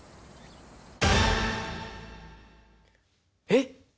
えっ？